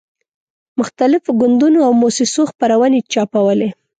مختلفو ګوندونو او موسسو خپرونې چاپولې.